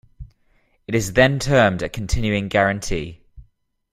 It is then termed a continuing guarantee.